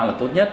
là tốt nhất